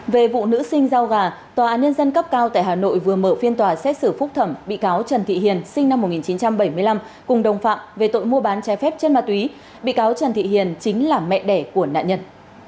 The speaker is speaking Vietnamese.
về vụ nữ sinh rau gà tòa án nhân dân cấp cao tại hà nội vừa mở phiên tòa xét xử phúc thẩm bị cáo trần thị hiền sinh năm một nghìn chín trăm bảy mươi năm cùng đồng phạm về tội mua bán trái phép chất ma túy bị cáo trần thị hiền chính là mẹ đẻ của nạn nhân